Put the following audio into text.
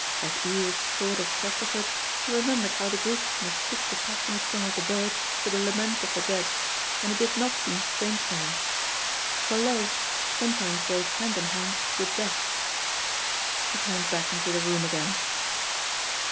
As Edith thought of Chesterford she remembered how the Greeks mistook the passionate song of the bird for the lament of the dead, and it did not seem strange to her. For love, sometimes goes hand in hand with death. She turned back into the room again.